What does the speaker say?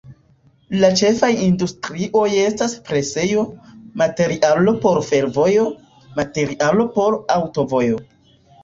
La ĉefaj industrioj estas presejo, materialo por fervojo, materialo por aŭtovojo.